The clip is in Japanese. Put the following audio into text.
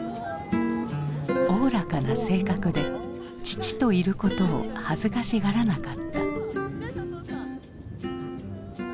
おおらかな性格で父といることを恥ずかしがらなかった。